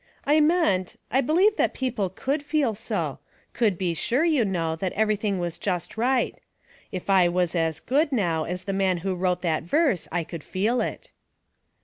" I meant, I believed that people could feel so ; could be sure, you know, that everything was just right. If I was as good, now, as the man who wrote that verse I could feel it."